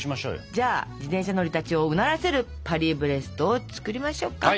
じゃあ自転車乗りたちをうならせるパリブレストを作りましょうか。